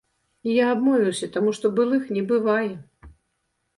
Я абмовіўся, таму што былых не бывае.